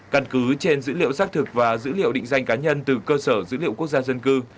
căn cứ trên dữ liệu xác thực và dữ liệu định danh cá nhân từ cơ sở dữ liệu quốc gia dân cư